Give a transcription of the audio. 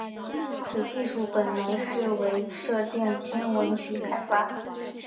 此技术本来是为射电天文学开发。